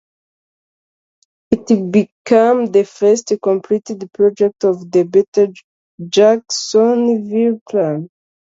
It became the first completed project of the Better Jacksonville Plan.